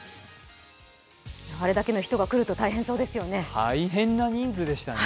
あれだけの人が来ると大変そうですね。